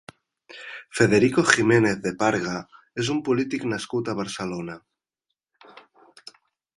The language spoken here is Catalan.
Federico Jiménez de Parga és un polític nascut a Barcelona.